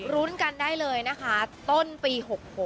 รุ้นกันได้เลยนะคะต้นปี๖๖